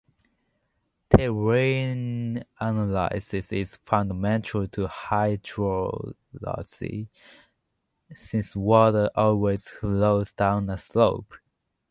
Terrain analysis is fundamental to hydrology, since water always flows down a slope.